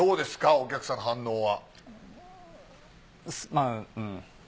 お客さんの反応は。